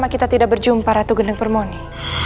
kita tidak berjumpa ratu geneng permoni